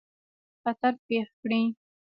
خطر پېښ کړي.